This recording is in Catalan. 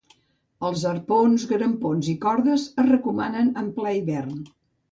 Els arpons, grampons i cordes es recomanen en ple hivern.